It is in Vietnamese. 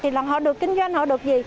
thì họ được kinh doanh họ được gì